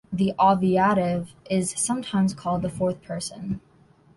The obviative is sometimes called the fourth person.